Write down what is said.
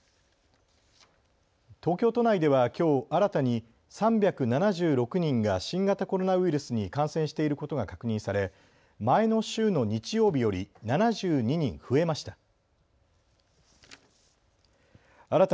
東京都内ではきょう新たに３７６人が新型コロナウイルスに感染していることが確認され前の週の日曜日より７２人増えました。